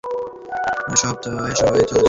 এসব হয়েই চলছে।